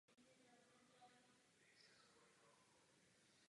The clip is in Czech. Jinak budeme svědky vzestupu skutečně protievropských sil.